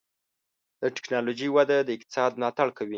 د ټکنالوجۍ وده د اقتصاد ملاتړ کوي.